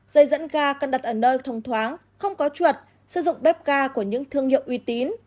dây dẫn ga cần đặt ở nơi thông thoáng không có chuột sử dụng bếp ga của những thương hiệu uy tín